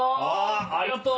ありがとう！